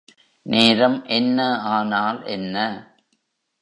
நேரம் என்ன ஆனால் என்ன?